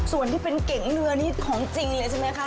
ส่วนที่เป็นเก๋งเรือนี่ของจริงเลยใช่ไหมคะ